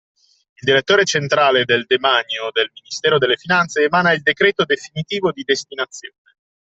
Il direttore centrale del demanio del Ministero delle finanze emana il decreto definitivo di destinazione.